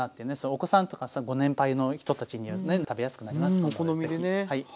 お子さんとかご年配の人たちに食べやすくなりますので是非。